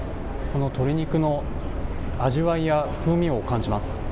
この鶏肉の味わいや風味を感じます。